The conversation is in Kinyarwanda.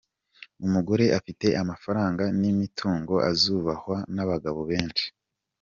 Umugore afite amafaranga n’imitungo azubahwa n’abagabo benshi.